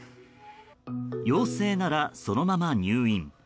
陽性ならそのまま入院。